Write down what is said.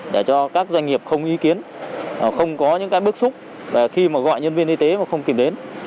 để cho các doanh nghiệp không ý kiến không có những cái bức xúc khi mà gọi nhân viên y tế mà không tìm đến